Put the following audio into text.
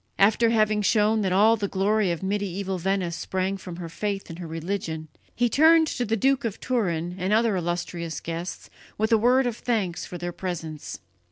After having shown that all the glory of medieval Venice sprang from her faith and her religion, he turned to the Duke of Turin and the other illustrious guests with a word of thanks for their presence.